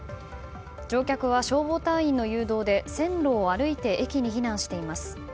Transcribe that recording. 乗客は消防隊員の誘導で線路を歩いて駅に避難しています。